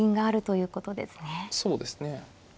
そうですね。